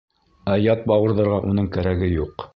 Ә ят бауырҙарға уның кәрәге юҡ.